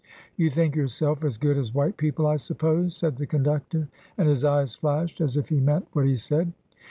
" You think yourself as good as white people, I suppose?" said the conductor; and his eyes flashed as if he meant what he said.